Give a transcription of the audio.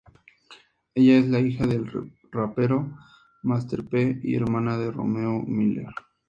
Ella es la hija del rapero Master P y hermana de Romeo Miller.